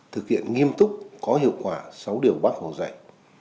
thực hiện nghiêm túc có hiệu quả sáu điều bác hồ dạy